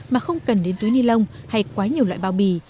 mà không cần đến túi ni lông hay quá nhiều loại bao bì